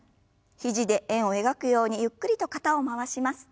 肘で円を描くようにゆっくりと肩を回します。